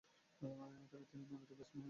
সেখানে তিনি নিয়মিত ব্যাটসম্যানের মর্যাদা পান।